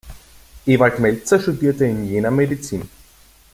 Ewald Meltzer studierte in Jena Medizin.